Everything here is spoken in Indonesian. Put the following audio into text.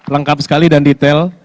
lengkap sekali dan detail